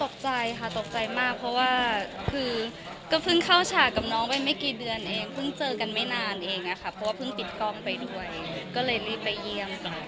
ตกใจค่ะตกใจมากเพราะว่าคือก็เพิ่งเข้าฉากกับน้องไปไม่กี่เดือนเองเพิ่งเจอกันไม่นานเองอะค่ะเพราะว่าเพิ่งติดกล้องไปด้วยก็เลยรีบไปเยี่ยมค่ะ